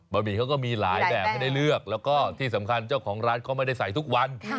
หมี่เขาก็มีหลายแบบให้ได้เลือกแล้วก็ที่สำคัญเจ้าของร้านเขาไม่ได้ใส่ทุกวัน